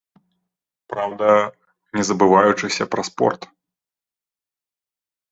Праўда, не забываючыся пра спорт.